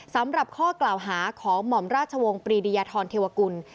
สำหรับข้อกล่าวหาของหม่อมราชวงศ์ปรีดียธรเทวกุล